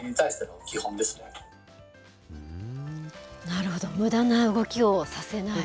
なるほど、むだな動きをさせない。